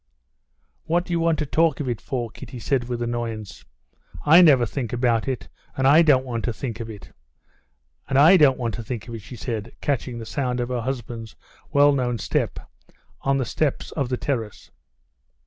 "What do you want to talk of it for?" Kitty said with annoyance. "I never think about it, and I don't want to think of it.... And I don't want to think of it," she said, catching the sound of her husband's well known step on the steps of the terrace.